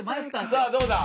さあどうだ？